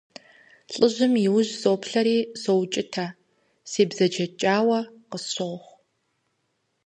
ЛӀыжьым и ужь соплъэри соукӀытэ, себзэджэкӀауэ къысщохъу.